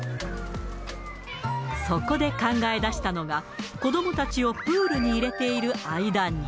そこで考え出したのが、子どもたちをプールに入れている間に。